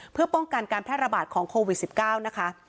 เพื่อป้องกันการแพร่ระบาดของโควิด๑๙นะคะ